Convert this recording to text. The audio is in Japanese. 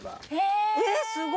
えっすご！